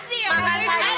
ih ngapain sih